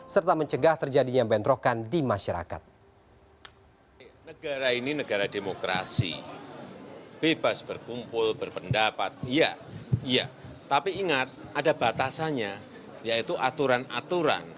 serta mencegah terjadinya bentrokan di masyarakat